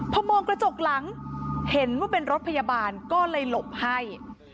พอมองกระจกหลังเห็นว่าเป็นรถพยาบาลก็เลยหลบให้